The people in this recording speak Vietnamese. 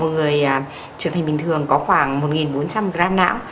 một người trở thành bình thường có khoảng một bốn trăm linh gram não